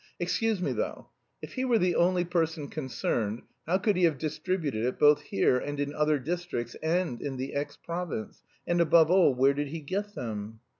"Excuse me, though, if he were the only person concerned, how could he have distributed it both here and in other districts and in the X province... and, above all, where did he get them?"